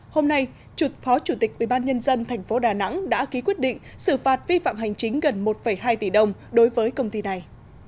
hôm nay trụt phó chủ tịch ubnd tp đà nẵng đã ký quyết định xử phạt vi phạm hành chính gần một hai tỷ đồng đối với công ty này